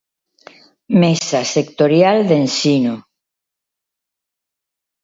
Mesa sectorial de Ensino.